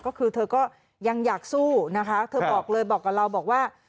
ก็คือเธอก็ยังอยากสู้นะคะเธอบอกเลยบอกกับเราบอกว่า